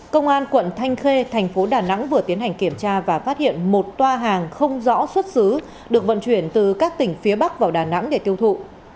công an quận thanh khê thành phố đà nẵng vừa tiến hành kiểm tra và phát hiện một toa hàng không rõ xuất xứ được vận chuyển từ các tỉnh phía bắc vào đà nẵng để tiêu thụ